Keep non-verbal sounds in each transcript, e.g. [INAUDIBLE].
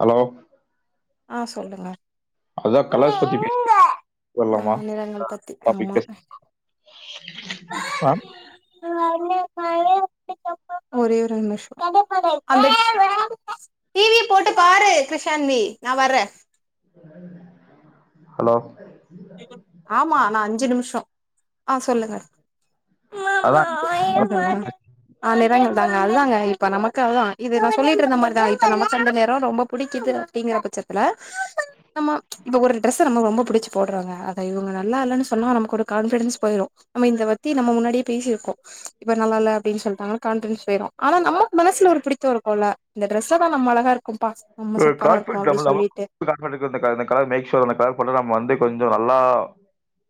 Hello ஆ சொல்லுங்க அதா கலாஷ் பத்தி ஆ பேசரலாமா நிறங்கள் பத்தி ஆமா பேச ஒரே ஒரு மிஷம் டீவி போட்டு பாரு கிருஷான்வி நாவர்றே ஹலோ ஆமா நா அஞ்சு நிமிஷம் ஆ சொல்லுங்க அதான் ஆ நிறங்க தா நல்லாங்க இப்ப நமக்கெல்லா இது நா சொல்லிட்டுருந்த மாறிதா இப்ப நம்ம கொஞ்சநேரம் ரொம்ப பிடிக்குது அப்படிங்கிற பட்சதுல நம்ம ஒரு டிரேஸ் நம்ம ரொம்ப புடிச்சு போடுறாங்க அத இவங்க நல்லா இல்லனு சொன்னா நமக்கு ஒரு காண்பிடென்ட் போயிரு நம்ம இதபத்தி நம்ம முன்னாடியே பேசிருக்கோ இப்போ நல்லால அப்டின்னு சொல்றாங்கனா கான்பரன்ஸ் போயிடு ஆனா நம்ம மனசல ஒரு பிடித்த இருக்கும்ல இந்த டிரேஸ் ல நம்ம அழகா இருக்கோம்பா நம்ம தூ சூப்பரா இருக்கோ காட்பட் அப்டி நம்ம நம்ம சொல்லிட்டு காட்பட்க்கு இந் இந்த கலர் மேட்ச் சுவர் இந்த கலர் போட்டா நம்ம வந்து கொஞ்சம் நல்லா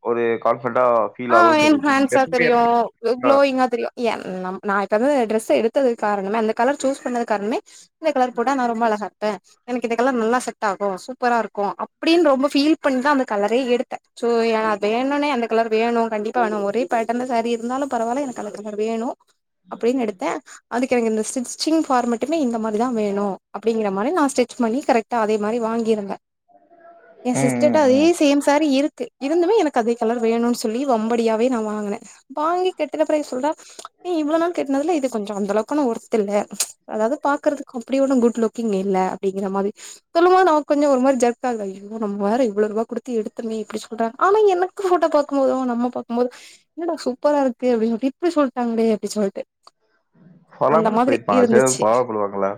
ஒரு க ஆ என் ஹேண்ட்ஸா தெரியு எனக்கு- க்ளோயிங்கா தெரியு யா ம் ந நா இப்ப வந்து ட்ரெஸ் எடுத்ததுக்குகாரனமே அந்த கலர் சூஸ் பண்ணது காரணமே இந்த கலர் போடா நா ரொம்ப அழகா இரு ப்ப எனக்கு இந்த கலர் நல்லா செட் ஆகும் சூப்பரா இருக்கு அப்பிடின்னு ரொம்ப ஃபீல் பண்ணிதா அந்த கலரே எடுத்தே சோ வேணும்னே அந்த கலர் வேணு கண்டிப்பா வேணு ஒரே பேட்டர்ன்ல சாரீ இருந்தாலும் பரவாயல எனக்கு கலர் சார் வேணு அப்பிடின்னு எடுத்த அதுக்கு எனக்கு இந்த ஸ்டிச்சிங் ஃபார்மேட்டுமே இந்த மாரிதா வேணு அப்பிடிங்கிற மாரி நா ஸ்டிச் பண்ணி கரெக்டா அதே மாரி வாங்கிருதே என் ம் சிஸ்டர்ட ம் அதே ம் சேம் சாரி இருக்கு இருந்துமே எனக்கு அதே கலர் வேணும்னு சொ சொல்லி வம்படியாவே நா வாங்குனே வாங்கி கட்டுன பெறகு சொல்றா ஏ இவ்ளோ நாள் கட்னதுல்ல இது கொஞ்சொ அந்த அளவுக்கனா ஒர்த் இல்ல அதாவுது பாக்குறதுக்கு அப்டி ஒன்னு குட்லுக்கிங் இல்ல அப்டிங்கிற மாதிரி சொல்லும்போது நமக்கு கொஞ்சொ ஒரு மாரி ஜர்க்காகு ஐயோ நம்ம வேற இவ்வளோ ரூவா குடுத்து எடுத்தொமே இப்டி சொல்றா ஆனா எனக்கு ஃபோட்டோ பாக் கும்மோது நம்ம பாக்கும்மோது என்னடா சூப்பரா இருக்கே அப்டின்னோட்டி இப்டி சொல்டாங்களே அப்டி சொல்ட்டு அந்த பொறாமைல மாதிரி சொல்லிருப்பாங்க சேர் அது இருந்துச்சு பொறாமபடுவாங்கள்ல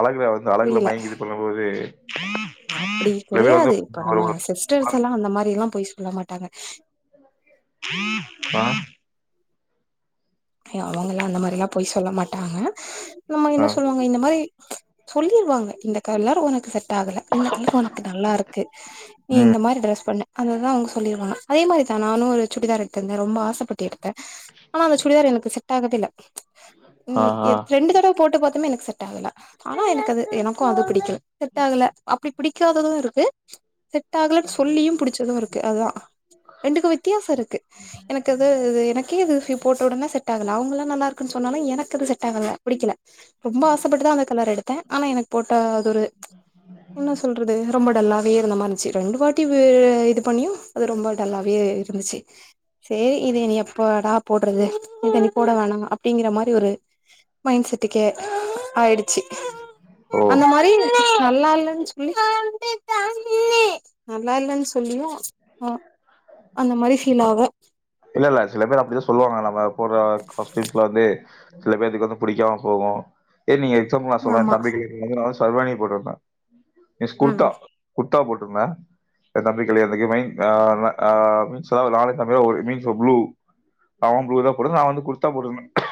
அழகுல வந்து அழகுல மயங்கி இது பண்ணும்போது ஆப்டி சில பேர் வந்து கிடயாது இப்ப ஒரு- நம்ம ஒரு- சிஸ்டர்ஸ் எல்லா அந்த மாரில்லா பொய் சொல்ல மாட்டாங்க பா அய அவுங்கல்லா அந்த மாரில்லாம் பொய் சொல்ல மாட்டாங்க நம்ம ஆ என்ன சொல்வாங்க இந்த மாரி சொல்லிருவாங்க இந்த கலர் ஒனக்கு செட் டாகல இந்த கலர் ஒனக்கு நல்லாருக்கு நீ ம் இந்த மாரி ட்ரஸ் பண்ணு அதுதா அவுங்க சொல்லிருவாங்க அதே மாரிதா நானு ஒரு சுடிதார் எடுத்துருந்தே ரொம்ப ஆசப்பட்டு எடுத்தே ஆனா அந்த சுடிதார் எனக்கு செட் ஆகர்தேல்ல ஆ ம் ஆ எத் ரெண்டு தடவ போட்டு பாத்துமே எனக் செட்டாகல ஆனா எனக்கது எனக்கு அது பிடிக்கல செட்டாகல அப்டி பிடிக்காதது இருக்கு செட்டாகலன் சொல்லியும் புடுச்சது இருக்கு அதா ரெண்டுக்கு வித்யாச இருக்கு எனக்கது எனக்கே அது ஃபிஃப் டொடனே செட்டாகல அவுங்கள்லா நல்லாருக்குன் சொன்னாலு எனக்கது செட்டாகல புடிக்கல ரொம்ப ஆசப்பட்டுதா அந்த கலர் எடு ப்ப ஆனா எனக் போட்டா ஒரு என்ன சொல்றது ரொம்ப டல்லா வே இருந்த மாரிந்ச்சு ரெண்டு வாட்டி வே இது பண்ணியு அது ரொம்ப டல்லாவே இருந்துச்சு சே இனி‌ இது எப்பொடா போட்றது இத இனி போட வேணா அப்டிங்கிற மாரி ஒரு மைண்ட் செட்டுக்கே ஆயிடுச்சு ஓ அந்த மாரி நல்லால்லன் சொல்லி நல்லால்லன் சொல்லியு ம் அந்த மாரி ஃபீலாகு இல்லல்ல சில பேர் அப்டிதா சொல்வாங்க நம்ப போட்ற காஸ்ட்யூம்ஸ்ல வந்து சில பேத்துக்கு வந்து புடிக்கமா போவு ஏ நீங்க ஆமா [UNINTELLIGIBLE] சர்வானி போட்ருப்பே எஸ் ம் குர்த்தா கு ர்த்தா போட்ருந்த எ தம்பி கல்யாணத்துக்கு மெயின் ஆன ஆ [UNINTELLIGIBLE] நானு எ தம்பியு ஒருமிக்க ப்ளூ அவ ப்ளூ தா போட்ருந்த நா வந்து குர்த்தா போட்ருந்த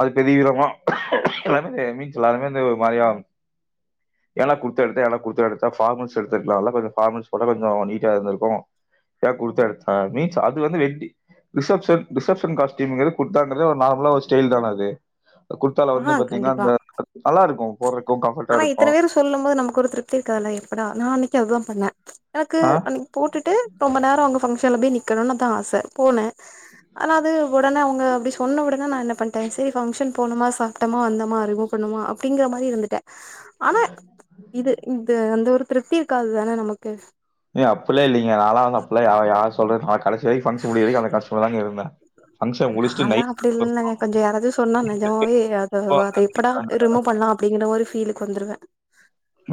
அது பெரிய விதமா எல்லாருமே மீன்ஸ் எல்லாருமே வந்து ஒரு மாரியா ஏன்டா குர்த்தா எடுத்த ஏன்டா குர்த்தா எடுத்த ஃபார்மல்ஸ் எடுத்துருக்லால்ல கொஞ்ச ஃபார்மல்ஸ் போட்டா கொஞ்சோ நீட் டா இருந்துருக்கு ஏ குர்த்தா எடுத்த மீன்ஸ் அது வந்து வெட்டி ரிசப்ஷன் ரிசப்ஷன் காஸ்ட்யூமுங்குறது குர்த்தான்றதே ஒரு நார்மலா ஒரு ஸ்டைல் தான அது குர்த்தால ஆ வந்து பாத்தீன்னா கண்டிப்பா அந்த நல்லாருக்கு ஆனா இத்தன பேரு சொல்லும் போது நமக்கு ஒரு திருப்தி இருக்காதுல்ல எப்படா நானெ னிக்கி அதாம்பண்ணே க்கு ஆ அன்னக்கி போட்டுட்டு ரொம்ப நேர அங்க பங்ஷன்ல போய் நிக்கணுன்னு தா ஆச போனே ஆன அது ஒடனே அவுங்க அப்டி சொன்ன ஒடனே நா என்ன பண்ட்டே செரி ஃபங்ஷன் போனமா சாப்டமா வந்தமா ரிமூவ் பண்ணமா அ ப்டிங்குற மாரி இருந்துட்ட ஆனா இது இந்த அந்த ஒரு திருப்தி இருக்காது தானே நமக்கு ஏ அப்பில்லா இல்லிங்க நாலா வந்து அப்பில்லா யா யார் சொல்றக்கு ஹாட் ஃபங்ஷன் முடிச்சுட்டு நால்லா நைட் அப்டில்லா இல்லங்க கொஞ்ச யாராது சொன்னா நெஜமாவே அத வ அத எப்படா ரிமூவ் பண்லா அப்டிங்கிற மாரிஃபீலுக்கு வந்துருவே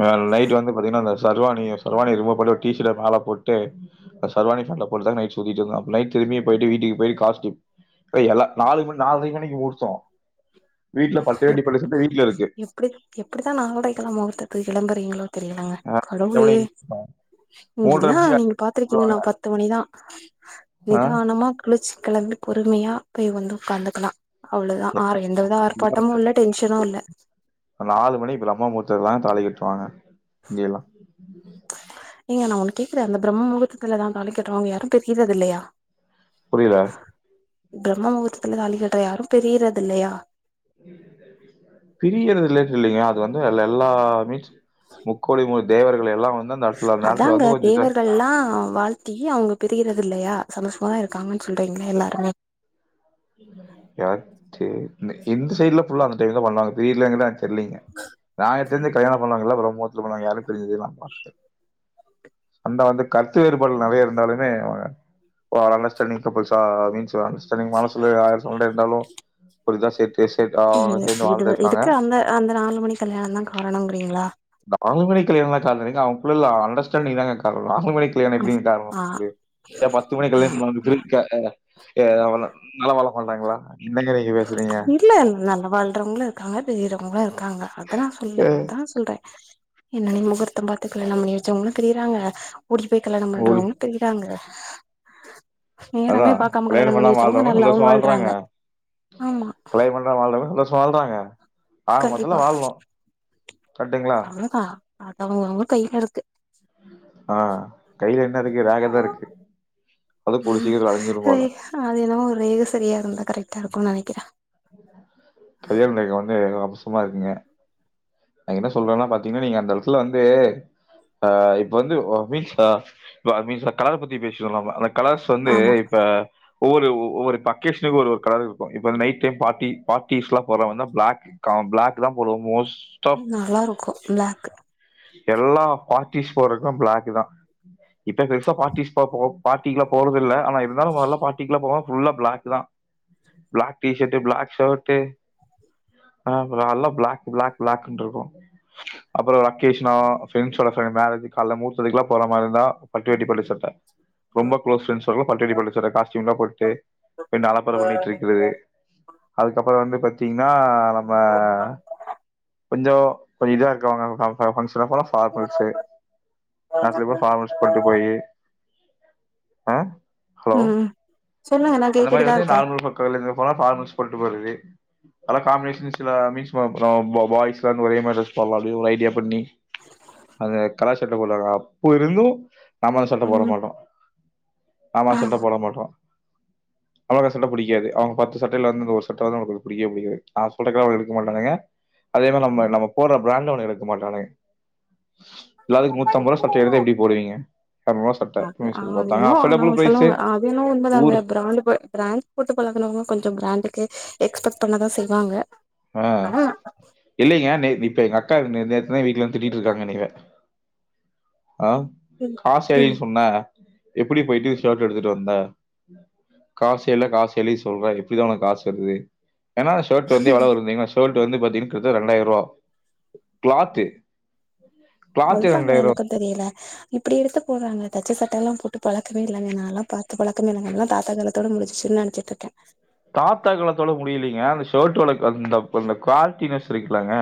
அ நைட் வந்து பாத்திங்கன்னா அந்த சர்வானிய சர்வானி ரிமூவ் பன்னிட்டு ஒரு டீ ஷர்ட்ட மேல போட்டு சர்வானி ஃபேண்ட போட்டு தா நைட் சுத்திட்ருந்த அப்ப நைட் திரும்பியு போயிட்டு வீட்டுக்கு போயிட்டு காஸ்ட்யூம் அத எல்லா நாலு மணி நால்ர மணிக்கு முகூர்த்தொ எப் எப்டி எப்டிதா நால்ரைக்கல்லா முகூர்தத்த வ கெளம்புறிங்ளோ தெரியலங்க ஆ கடவுளே எவ்வளோ மூன்றரை இங்கில்லா மணிக்கு நீங்க பாத்துருக்கீங்க அனுப்பிடுவாங்க நா பத்து மணிதா [INAUDIBLE] ஆ நிதானமா குளுச் கெளம்பி பொறுமையா போய் வந்து உக்காந்துக்கலா அவ்ளதா ஆற எ [INAUDIBLE] இப்ப நாலு மணி பிரம்ம முகூர்தத்துலதா தாலி கட் ட்ருவாங்க இங்கயெல்லா ஏங்க நா கேக்குற அந்த பிரம்மமுகுரத்துலதா தாலி கட்றவங்க யாரு பிரியுறது இல்லையா புரியல பிரம்ம முகூர்த்தத்துல தாலிகட்டுற யாரு பிரியிறதில்லயா பிரியறதுல்லன் இல்லைங்கா அது வந்து அதுல எல்லாமிட் முக்கோடி மு தேவர்கள் எல்லா வ அதாங்க தேவர்கள் எல்லா வாழ்த்தி அவங்க பிரியுறது தில்லையா சந்தோஷமாதா இருக்காங்கன் சொல்றீங்களே எல்லாருமே யார் செரி இந்து சைடுல ஃபுல்லா அந்த ஸ்டைல்தா பண்ணுவாங்க [UNINTELLIGIBLE] இல்லிங்க ஞாயத்தருந்து கல்யாணோ பண்ணுவாங்கள ரொம்ப பிரம்ம முகூர்த்தத்துல பண்ண யாரு பிரிஞ்சே நா பாத்தது இல்ல அந்த அந்த கருத்து வேறுபாடு நெறைய இருந்தாலுமே ஒரு அண்டர்ஸ்டேண்டிங் கப்புல்ஸா மீன்ஸ் அண்டர்ஸ்டேண்டிங் மீன்ஸ் சண்ட இருந்தாலு ஒரு இதா சேட் ம் இது இதுக்கு அந்த அந்த நாலு மணி கல்யாணந்தா காரணங்கிறீங்களா இந்த நாலு மணி கல்யாணோல்லா காரணமோ இல்லிங்க அவங்குள்ள உள்ள அண்டர்ஸ்டாண்டிங்தாங்க காரணோ நாலு மணி கல்யாணோ எப்டிங்க காரணோ ஆ அப்டிய ஏ பத்து மணி கல்யாணோ [UNINTELLIGIBLE] நல்லா வாழமாட்டாங்களா என்னங்க நீங்க பேஸ் இல்ல இல்ல நல்லா வாழ்றவங்களு இருக்காங்க பிரிறவங்களு இருக்காங்க அதல்லா சொல்ல அ அதா சொல்ற என்னன்ன முகூர்தம் பாத்து கல்யாணம் பண்ணி வெச்சவங்களு பிரியிறாங்க ஓடி போய் கல்யாணம் பண்றவங்களு பிரியிறாங்க அதா பாக்காம கல்யாணம் பண்ணி பண்ணாம வச்சவங்க வாழ்றவங்களு நல்லாவு சந்தோசமா வாழ்றாங்க ஆமா கல்யாணோ பண்ணிம வாழ்றவங்களு சந்தோஷ் சொல்றாங்க ஆக கண்டிப்பா மொத்தத்துல வாழணு கர்டுங்களா அவ்ளோதா அது அவங்கஅ வங்க கையிலருக்கு ஆ கையில என்னருக்கு ரேகதா இருக்கு அது கூடி சீக்கிரோ அலிஞ்சிரு அது போல தெரக்குன் நெனைக்கிற கயல் நீங்க வந்து அம்சமா இருக்கீங்க என்ன சொல்றனா பாதீங்கன்னா நீங்க அந்த எடத்துல வந்து ஆ இப்ப வந்து மீன் அ மீ கலர பத்தி பேசுலாமா கலாஸ் வந்து ஆமா இப்ப ஒவ்வொ ஒவ்வொரு பக்கிஸ்ட்டுக்கு ஒரு ஒரு கலரு இருக்கு இப்ப நைட் டைம் பார்டி பார்டிஸ்லா போறா வா ப்ளாக் காவ் ப்ளாக் தா போடுவ மோஸ் நல்லா இருக்கு ப்ளாக் எல்லா பார்ட்டிஸ் போறக்கு ப்ளாக் தா இப்ப பெருசா பார்ட்டிஸ் போ பார்ட்டிக்லா போறதில்ல ஆனா இருந்தாலு முதல்ல பாட்டிக்லா போவம் ஃபுல்லா ப்ளாக் தா ப்ளாக் டீசட்டு ப்ளாக் ஷேர்டு அ நல்லா ப்ளாக் ப்ளாக் ப்ளாக்ன்ருக்கு அப்பற என்கேஸ்னா ஃப்ரண்ஸோட ஃப்ரண்ட் மேரஜ் கால மூத்ததுக்குல போற மாரி இருந்தா பன்ரேட்டிட்டி போட்ட சட்ட ரொம்ப க்ளோஸ் ஃப்ரெண்ட்ஸ் பட்டுரெட்டி பட்டு சட்ட காஸ்டியும்லா போட்டுட்டு அலப்பர பண்ணிட்டு இருக்கறது அதுக்கப்பற வந்து பாத்தீங்ன்னா அ நம்ப கொஞ்ச போய் இது வாங்ட்டுவாங்க சாப்ட ஸ்ரகோ ஃபார்மல்ஷேஅதுக்கபற பார்மல்ஸ் போட்டு போயி ஆ ஹலோ ம் சொல்லுங்க நா அந்த மாதிரி கேட்டுட்டுதா வந்து இருக்கே நார்மல் பக்க இருந்து போனா பார்ல்ஸ் சொல்லிட்டு போறதித அதல்ல காம்பினேஷன்ல மீன்ஸ்ம் பாய்ஸ் இருந்து ஒரே மாதிரி ட்ரெஸ் போடலா அப்படி ஒரு ஐடியா ப்பட்டி அத தரசட்ட போதாதா போயிரணு ஆம சட்டபோட ம் மாட்டோ ஆமா ஆ சட்ட போட மாட்டோ அவளுக்கு சட்ட புடிக்காது அவங்க பத்து சட்டையில வந்து ஒரு சட்ட வந்து அவங்களுக்கு புடிக்கவே புடிக்காது ந சொல்லற அவங்க எடுக்க மாட்டானுங்க அதே மாரி நம்ம நம்ம போடுற ப்ராண்ட் அவனுங்களுக் மாட்டானுங்க எல்லாத்துக்கும் ரூ. சட்டை எடுத்தா எப்டி போடுவீங்க? ரூ. சட்ட. அது பாத்தாங்க அஃபர்டபுள் அதுனங்க பிரைஸு சொல்லுவங்க அது என்னவோ உண்மதாங்க ஊர் ப்ராண்ட் போ பிராண்ட் போட்டு பழகுனவங்க கொஞ்ச ப்ராண்டு கு எக்ஸ்பெட் பண்ணதா செய்வாங்க ஆ ஆனா இல்லைங்க நேத்தி இப்ப எங்க அக்கா நே நேத்து தா எங்க வீட்டுல வந்து திட்டிட்டு இருக்காங்க என்னயவே அ காசடின் சொன்ன எப்புடி போயிட்டு சேட்டு எடுத்துட்டு வந்தே காசசே இல்ல காசே இல்ல சொல்ற எப்டிதா உனக்கு காசு வர்து ஏனா ஷோர்ட் வந்து எவ்ளோ வரும் தெரிமா ஷோர்ட் இது வந்து பாத்தீனா கரெக்டா ரெண்டாயிரரூவா கிளாத்து கிளாத்தே அதுதாங்க ரெண்டாயிரூ எனக்கு தெரியல இப்டி எடுத்து போடுறாங்க தச்ச சட்டை லா போட்டு பழக்கமே இல்லங்க நாலா பாத்து பழக்கமே இல்லங்க அதெல்லா தாத்தா காலத்தோட முடிஞ்சிச்சின்னு நனச்சிட்ருக்க தாத்தா காலத்தோட முடிலீங்க அந்த ஷோர்ட்டோட [UNINTELLIGIBLE] அந்த குவாலிட்டினஸ் இருக்குலாங்க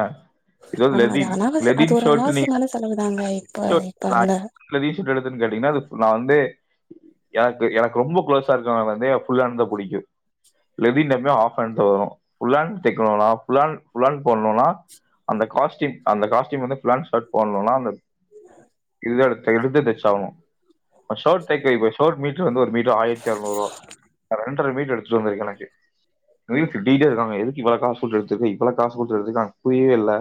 இது வந்து ஆனா அது லெவின் அனாவசிய அது லெவின் ஒரு ஷேர்ட்னீங்கன்னா அனாவசியமான செலவுதாங்க இப்ப இப்ப அந்த [UNINTELLIGIBLE] கேட்டீங்கன்னா அது நா வந்து யார்க்கு எனக்கு ரொம்ப குளோஸா இருக்கறவங்க வந்து ஃபுல் ஹாண்ட் தா புடிக்கும் லெபின் எப்பமே ஆஃப் பேண்ட்ல வரும் ஃபுல்ஹாண்ட் தைக்கணுனா ஃபுல்ஹேண்ட் ஃபுல்ஹேண்ட் போடணுனா அந்த காஸ்டீம் அந்த காஸ்டீம் வந்து ஃபுலேன் ஷர்ட் போடணுனா அந்த இத எடுத் எடுத்து தச்சாவணு ஆ ஷோட் தைக்க இப்ப ஷோட் மீட்ரு வந்து ஒரு மீட்ரு ஆயிரத்தி அறநூறு ரூபா அ ரெண் ஒரு மீட்டர் ரூமரி கணக்கு ரீல்ஸ் டி ஜே இருக்காங்க எதுக்கு இவ்ள காசு போட்டு எடுத்துருக்க இவ்ள காசு கொடுத்து எத்துக்கு அங்க புரியவே இல்ல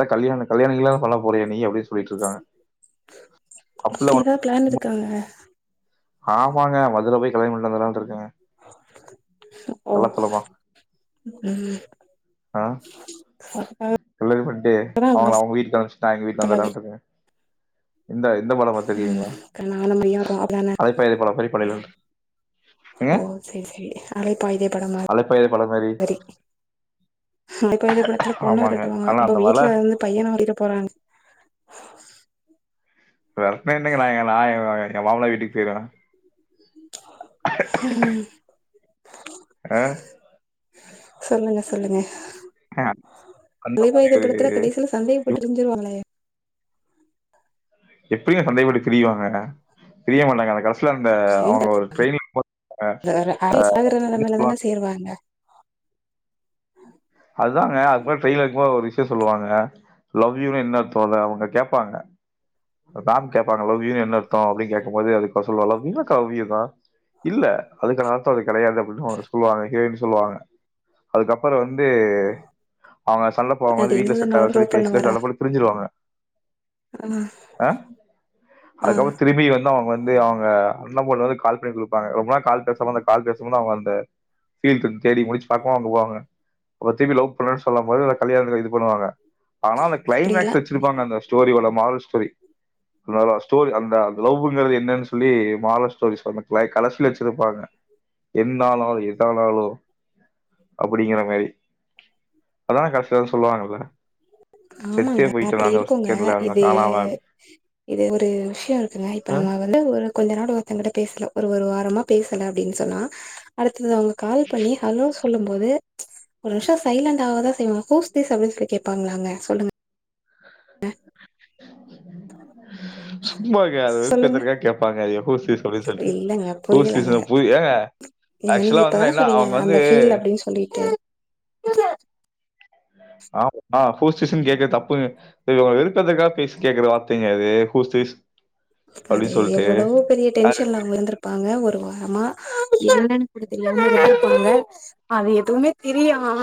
எ கல்யாண கல்யாண எல்லா பண்ண போறியா நீ அப்டி சொல்லிட்ருக்காங்க அப்டி எதாது பிளான் இருக்காங்க ஆமாங்க மதுர போய் கல்யாணம் பண்ணிட்டு வந்துர்லான்டு இருக்கங்க [INAUDIBLE] ஓ ம் ஆ கல்யாணம் பண்ட்டு இப்பதா இவ்ளோ அவுங்ள அவ்ங்க வீட்ல அனுபிச்சிட்டா எங்க வீட்டுக்கு செலவு வந்துர்லான்டுருக்க இந்த இந்த படோ ம் பாத்திருக்கீங்ளா நானும் மரியா இருக்கோ அப்டிதான அலைப்பாயுதே படம் மாரி பண்ணீர்லான்டு எங்க ஓ செரி செரி அலைப்பாயுதே படம் அலைப்பாயுதே படம் மாரி அலைபாயுதே படத்துல பொண்ண வேரட்டுவாங்க உங்க அந்த மாதிரி வீட்ல இருந்து பையன வழிரோ போறாங் [UNINTELLIGIBLE] எ மாமனார் வீட்டுக் போய்ருவ ஹ ஆ? சொல்லுங்க சொல்லுங்க அந்த மாதிரி அலைவாயுதே ஒரு- படத்துல கடேசில சந்தேகப்பட்டு பிரிஞ்சிருவாங்களே எப்டிங்க சந்தேகப்பட்டு பிரிவாங்க பிரிய மாட்டாங்க அந்த கத சில அந்த அவ்ங்க ஒரு ட்ரெயின்ல [INAUDIBLE] சாகுற நெலமைல தான சேருவாங்க அதுதாங்க அதுக்பர் ட்ரெயின்ல இருக்கும் போது ஒரு விஷ்யோ சொல்லுவாங்க லவ் யூ னு என்ன அர்த்தோனு அவுங்க கேப்பாங்க ராம் கேப்பாங்க லவ் யூனு என்ன அர்த்தோ அப்டினு கேக்கும் போது அதுக்கு அவா சொல்லுவா லவ் யூ னா லவ் யூ தா இல்ல அதுக்கு நான் அர்த்தோ அது கடையாது அப்டினு சொல்லுவாங்க ஹீரோயினி சொல்லுவாங்க அதுக்கப்பறோ வந் ந்து அவ்ங்க சண்ட போடும் அது போது வீட்ல செட் இருந்ததுனோட ஆகாதுனு சொல்லி ப்ரூவ் பேசுல பண்ணுவாரா சண்ட போட்டு பிரிஞ்சிருவாங்க ஆ அ ஆ அதுக்கப்புறோ திரும்பி வந்து அவங்க வந்து அவங்க அண்ணம் பொண்ணு வந்து கால் பண்ணி குடுப்பாங்க ரொம்ப நாள் கால் பேசாம அந்த கால் பேசும்போது அவங்க அந்த [UNINTELLIGIBLE] தேடி முடுச்சு பாப்போ அவங்கோ அவுங்க போங்கப்ப திருப்பி லவ் பண்றன் சொல்லும் போது அது கல்யாண இது பண்ணுவாங்க ஆனா அந்த இப்டியெல்லா கிளைமேக்ஸ் வெச்சுருப்பாங்க அந்த ஸ்டோரி உள்ள மால்ஸ் சேரி லாலா ஸ்டோரி அந்த அந்த லவ்வுங்குறது என்னன்னு சொல்லி மால ஸ்டோரி [UNINTELLIGIBLE] கடைசில வெச்சுருப்பாங்க என்னனாலு எதனாலு அப்டிங்கற மாரி அதா கடைசியிலதா சொல்லுவாங்கல்ல செத்தே ஆமாங்க போயிட்டேன் அப்டி நான் ஒரு இருக்குங்க செகண்ட்ல அந்த இது காணாம இது ஒரு விஷ்ய இருக்குங்க இப்ப நம்ம வந்து ஒரு கொஞ்ச நாள் ஒருத்தங்கிட்ட பேசல ஒரு ஒரு வாரமா பேசல அப்டின் சொன்னா அடுத்தது அவங்க கால் பண்ணி ஹலோஸ் சொல்லும் போது ஒரு வம்ஷோ சைலண்ட் ஆகதா செய்வாங்க ஹுஸ் திஸ் அப்டின் சொல்லி கேப்பாங்களாங்க சொல்லுங்க ங்க சும்மாக்க அது சொல்லுங்க வெறுப்பேத்ரக்கா கேப்பாங்க அதிகோ ஊசி சொல்லி சொல்ட்டு இல்லங்க ஊசி புரியலங்க சொ பு ஏங்க ஏங்க நீங்க ஆக்சுவலா வந்து இப்பதான என்ன சொன்னீங்க அவங்க வந்து அந்த பீல் அப்டின் சொல்லிட்டு புரில ஆமாங்க அ ஹூஸ் திஸ்னு கேக்குறது தப்புங்க இது அவங்கள வெருப்பேத்துறத்துக்காக பேசி கேக்குற வார்த்தைங்க அது ஹூஸ் திஸ் அது எவ்வளவோ பெரிய அது டென்ஷன்ல அவங்க இருந்துருப்பாங்க ஒர் ஒரு வாரமா என்னன் சொல்லி தெரியாம இருந்துருப்பாங்க அது எதுமே தெரியாம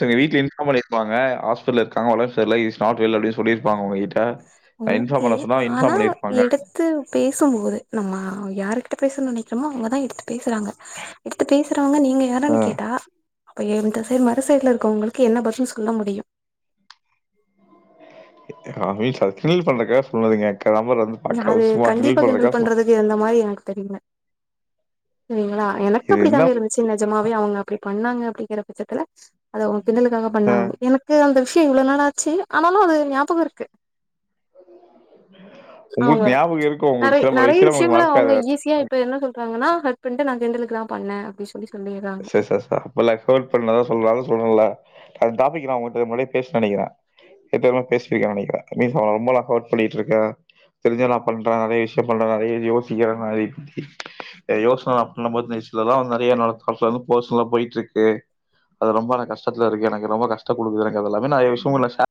ஒருத்தவங்க வீட்ல இன்ஃபார்ம் பண்ணிருப்பாங்க ஹாஸ்பிட்ல இருக்காங்க ஒடம் செர்ல ஹி ஸ்டார்ட் வெல் அப்டின் சொல்லிருப்பாங்க அவங்க எயிடு ஓகே ஆனா பண்ணியிருப்பாங்க. எடுத்து பேசும்போது நம்ம யாருக்கு ட பேச நெனைக்கிறமோ அவங்கதா எடுத்து பேசுறாங்க எடுத்து பேசுறவங்க நீங்க யாறுன்னு கேட்டா அப்ப எந்த சைடு மறு சைடுல இருக்கவங்களுக்கு என்ன பதில் சொல்ல முடியு அதுவே சட்னி பண்றக்காக சொன்னதுங்க க- நம்பர் வந்து பாக்க அது சும்மா கண்டிப்பா கிண்டல் பண்றதுக்காக சொன்னேன். பண்றதுக்கு இந்த மாரி எனக்கு தெரியில சரிங்களா எனக்கு இது அப்டி என்ன தாங்க இருந்துச்சு நெஜமாவே அவங்க அப்டி பண்ணாங்க கெடைக்குற பச்சத்ல அது அவுங்க கிண்டலுக்காக ஆ பண்ணாங்க எனக்கு அந்த விஷ இவ்ளோ நாள் ஆச்சு ஆனாலு அது எனக்கு ஞாபகம் இருக்கு உங்களுக்கு அவுங்க ஞாபகம் இருக்கும். உங்களுக்கு நெறய சில பல நெறய விஷயம் உங்களுக்கு விஷயங்கள மறக்காது. அவுங்க ஈஸியா இப்ப என்ன சொல்றாங்கனா ந கிண்டலா கிண்டலுக்குதா பண்ணே அப்டி சொல்லி சொல்லிறாங்க ச ச ச அப்புட்லா ட்ரோல் பண்ணதா சொல்லுவாங்கனு சொன்னேல அந்த டாப்பிக் நா உங்கிட்ட மொதலே பேசிட்டே நெனக்கிறே இப்பவு பேசிருக்கே நெனக்கிறே ரொம்பலாஹர்ட் பண்ணிட்டு இருக்கே தெரிஞ்செ நா பண்றே நெறய விஷய பண்றே நெறய யோசிக்கிற மாரி யோசன அப்டீங்க போது நெறய நட ஃபஸ்லேந்து பெர்சனலா போயிட்டு இருக்கு அது ரொம்ப எனக்கு கஷ்டத்துல இருக்கு எனக்கு ரொம்ப கஷ்ட கொடுக்குது எனக்குது எல்லாமே நான் விஷய